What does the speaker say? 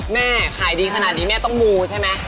แม่ขายดีขนาดนี้แม่ต้องมูใช่ไหม